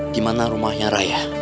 dimana rumahnya raya